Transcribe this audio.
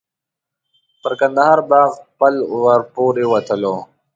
پر کندهار باغ پل ور پورې وتلو.